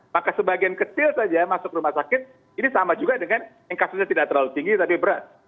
maka sebagian kecil saja masuk rumah sakit ini sama juga dengan yang kasusnya tidak terlalu tinggi tapi berat